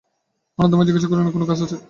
আনন্দময়ী জিজ্ঞাসা করিলেন, কোনো কাজ আছে?